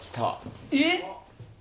えっ？